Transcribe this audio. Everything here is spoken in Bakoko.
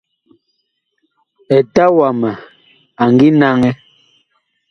Eta wama a ngi naŋɛ.